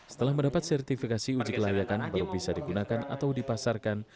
setelah mendapat sertifikasi uji kelayakan baru bisa digunakan atau dipasarkan